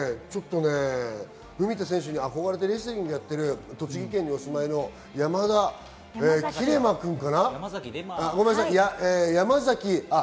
文田選手に憧れてレスリングをやっている栃木県にお住まいの山崎錬真君かな。